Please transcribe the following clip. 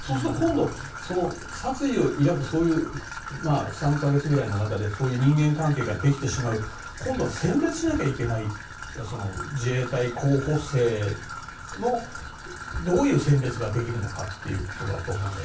そうすると今度、殺意を抱く３か月くらいの中でそういうものを抱いてしまう今度は選別しなきゃいけないけど自衛隊候補生のどういう選別ができるのかということだと思います。